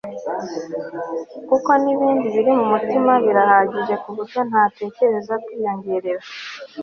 kuko nibindi biri ku mutima birahagije kuburyo ntakeneye kwiyongerera